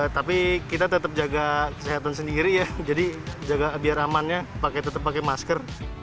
tapi kita tetap jaga kesehatan sendiri ya jadi biar amannya tetap pakai masker